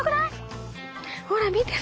ほら見て！